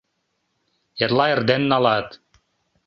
Эрла эрден налат.